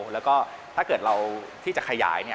แล้วก็ถ้าเกิดเราที่จะขยาย